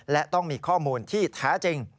และต้องมีข้อมูลที่แท้จริง